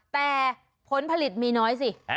แต่ผลผลิตมีน้อยสิ